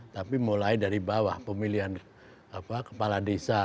tapi mulai dari bawah pemilihan kepala desa pemilihan bangsa